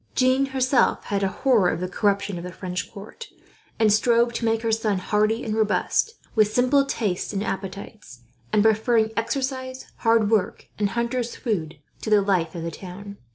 Jeanne herself had a horror of the corruption of the French court, and strove to make her son hardy and robust, with simple tastes and appetites; and preferring exercise, hard work, and hunter's food to the life of the town.